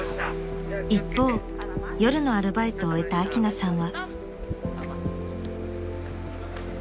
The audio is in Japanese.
［一方夜のアルバイトを終えたアキナさんは］